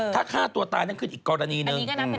ถ้าฆ่าตัวตายนั่นคืออีกกรณีหนึ่ง